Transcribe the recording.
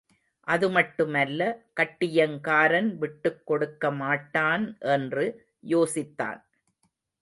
அதுமட்டுமல்ல கட்டியங்காரன் விட்டுக் கொடுக்க மாட்டான் என்று யோசித்தான்.